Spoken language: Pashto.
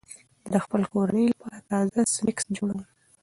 زه د خپلې کورنۍ لپاره تازه سنکس جوړوم.